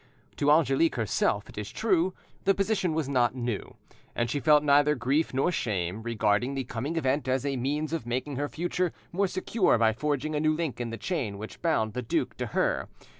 To Angelique herself, it is true, the position was not new, and she felt neither grief nor shame, regarding the coming event as a means of making her future more secure by forging a new link in the chain which bound the duke to her.